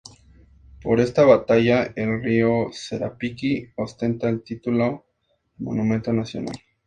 Por esta batalla, el río Sarapiquí ostenta el título de monumento nacional.